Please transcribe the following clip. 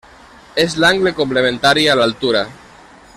És l'angle complementari a l'altura.